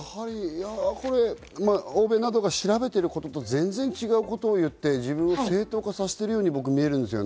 欧米などが調べていることと全然違うことを言って自分を正当化しているように僕は見えるんです。